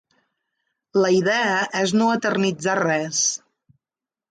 La idea és no eternitzar res.